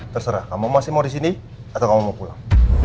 terserah kamu masih mau disini atau kamu mau pulang